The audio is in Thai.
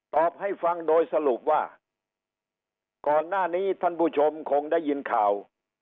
ให้ฟังโดยสรุปว่าก่อนหน้านี้ท่านผู้ชมคงได้ยินข่าว